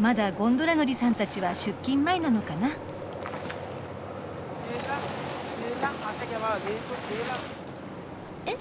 まだゴンドラ乗りさんたちは出勤前なのかな。え？